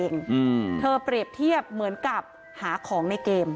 มีแต่เสียงตุ๊กแก่กลางคืนไม่กล้าเข้าห้องน้ำด้วยซ้ำ